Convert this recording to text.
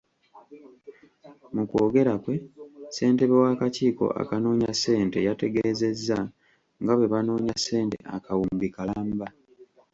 Mu kwogera kwe, ssentebe w'akakiiko akanoonya ssente, yategeezezza nga bwe banoonya ssente akawumbi kalamba.